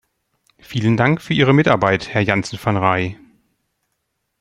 Vielen Dank für Ihre Mitarbeit, Herr Janssen van Raay.